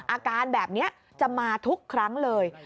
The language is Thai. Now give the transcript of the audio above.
อาการแบบนี้จะมาทุกครั้งเลย